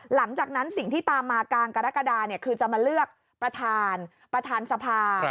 หลังจากนั้นสิ่งที่ตามมากลางกรกฎาคือจะมาเลือกประธานประธานสภา